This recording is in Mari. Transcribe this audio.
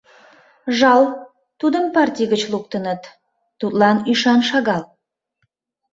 Жал, тудым партий гыч луктыныт, тудлан ӱшан шагал.